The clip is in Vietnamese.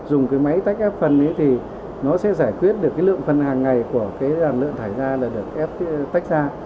dùng máy tách ép phân thì nó sẽ giải quyết được lượng phân hàng ngày của lượng thải ra là được ép tách ra